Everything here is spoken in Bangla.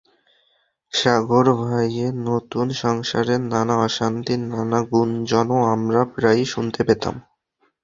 সাগর ভাইয়ের নতুন সংসারের নানা অশান্তির নানা গুঞ্জনও আমরা প্রায়ই শুনতে পেতাম।